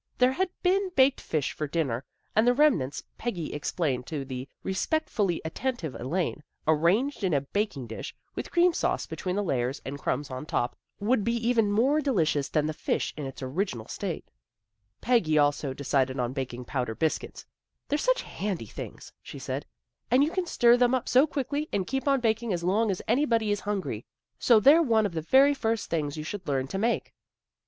There had been baked fish for dinner, and the remnants, Peggy explained to the respectfully attentive Elaine, arranged in a baking dish, with cream sauce between the layers and crumbs on top, would be even more delicious than the fish in its origi nal state. Peggy also decided on baking powder biscuits. " They're such handy things," she said. " And you can stir them up so quickly A BUSY AFTERNOON 61 and keep on baking as long as anybody is hun gry; so they're one of the very first things you should learn to make."